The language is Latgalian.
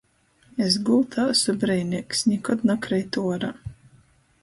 Es gultā asu breineigs – nikod nakreitu uorā.